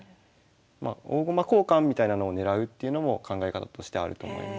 まあ大駒交換みたいなのを狙うっていうのも考え方としてあると思います。